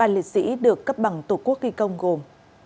ba liệt sĩ được cấp bằng tổ quốc ghi công gồm